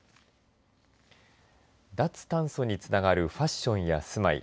脱炭素につながるファッションや住まい